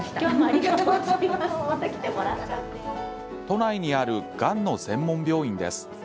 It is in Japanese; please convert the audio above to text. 都内にあるがんの専門病院です。